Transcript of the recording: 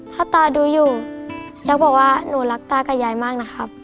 ถ้าตาดูอยู่อยากบอกว่าหนูรักตากับยายมากนะครับ